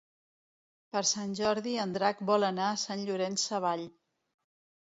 Per Sant Jordi en Drac vol anar a Sant Llorenç Savall.